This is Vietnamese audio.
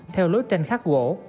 theo lối tranh khắc gỗ